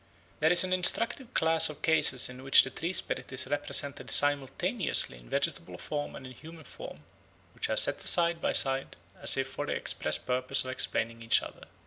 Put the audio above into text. There is an instructive class of cases in which the tree spirit is represented simultaneously in vegetable form and in human form, which are set side by side as if for the express purpose of explaining each other.